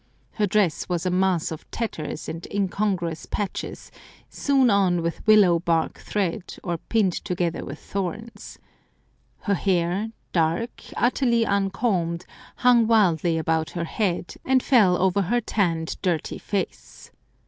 Her dress was a mass of tatters and incongruous 203 Curiosities of Olden Times patches, sewn on with willow bark thread, or pinned together with thorns. Her hair, dark, utterly un combed, hung wildly about her head, and fell over her tanned, dirty face.